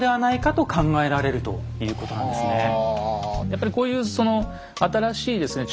やっぱりこういうその新しいですね